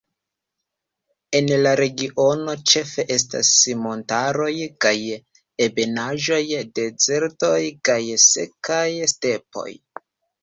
En la regiono ĉefe estas montaroj kaj ebenaĵoj, dezertoj kaj sekaj stepoj.